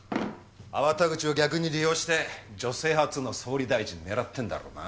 粟田口を逆に利用して女性初の総理大臣狙ってるんだろうな。